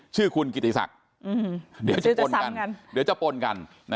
ชื่อคุณกิริติศักรรมเดี๋ยวจะปลกัน